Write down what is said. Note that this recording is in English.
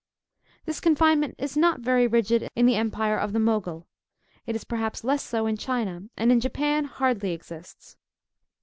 This confinement is not very rigid in the empire of the Mogul. It is, perhaps, less so in China, and in Japan hardly exists.